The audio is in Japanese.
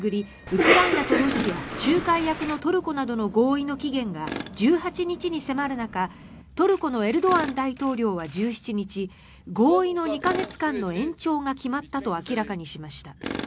ウクライナとロシア仲介役のトルコなどの合意の期限が１８日に迫る中トルコのエルドアン大統領は１７日合意の２か月間の延長が決まったと明らかにしました。